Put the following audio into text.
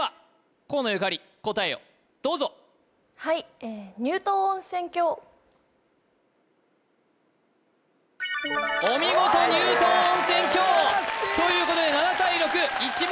河野ゆかり答えをどうぞはいお見事乳頭温泉郷ということで７対６１問